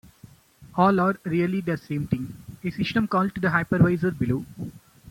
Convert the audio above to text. All are really the same thing, a system call to the hypervisor below.